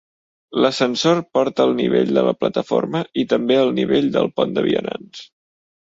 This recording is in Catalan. L"ascensor porta al nivell de la plataforma i també al nivell del pont de vianants.